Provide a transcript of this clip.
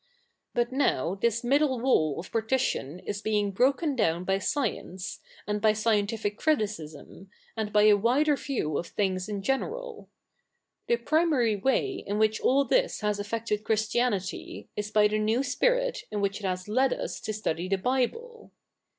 But now this middle wall of partition is being broken down by science, and by scientific criticism, a7id by a wider view of thi7igs in general. The pri?nary way in which all this has affected Christianity, is by the new spirit in which it has led us to study the Bible.